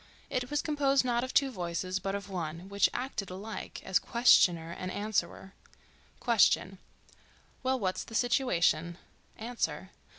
It was composed not of two voices, but of one, which acted alike as questioner and answerer: Question.—Well—what's the situation? Answer.